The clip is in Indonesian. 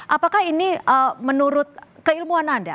apakah ini menurut keilmuan anda